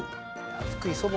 福井そば